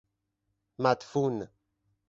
مدفون